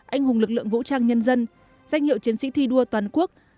anh hùng lực lượng vũ trang nhân dân danh hiệu chiến sĩ thi đua toàn quốc